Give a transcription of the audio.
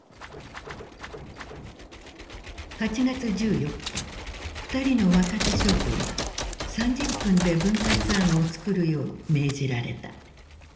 ８月１４日２人の若手将校が３０分で分割案を作るよう命じられた。